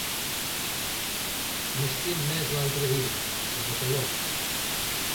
M'estimo més l'altre vidre, el de colors.